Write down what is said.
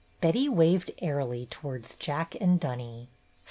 Betty waved airily towards Jack and Dunny.